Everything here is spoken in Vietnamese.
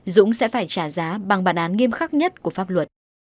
dũng sẽ phải trả giá bằng bản án nghiêm khắc nhất của pháp luật